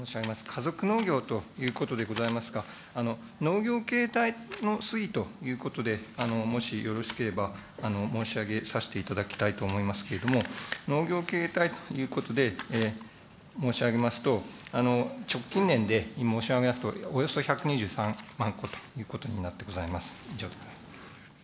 家族農業ということでございますが、農業形態の推移ということで、もしよろしければ申し上げさせていただきたいと思いますけれども、農業経営体ということで申し上げますと、直近年で申し上げますと、およそ１２３万戸ということになってございます。